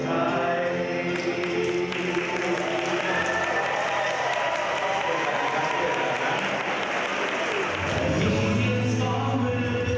อ่ะเป็นใจ